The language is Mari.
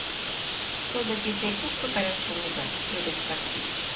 — Содыки те кушко каяш шонеда? — йодеш таксист.